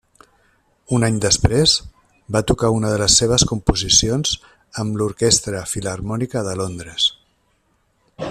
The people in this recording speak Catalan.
Un any després, va tocar una de les seves composicions amb l'Orquestra Filharmònica de Londres.